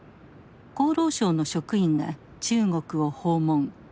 厚労省の職員が中国を訪問。